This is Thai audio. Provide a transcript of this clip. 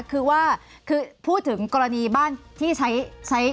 คือว่าคือพูดถึงกรณีบ้านที่ใช้